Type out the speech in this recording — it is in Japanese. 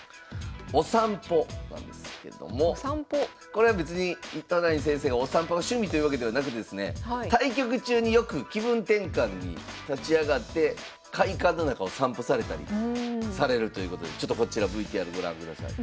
これは別に糸谷先生がお散歩が趣味というわけではなくですね対局中によく気分転換に立ち上がって会館の中を散歩されたりされるということでちょっとこちらＶＴＲご覧ください。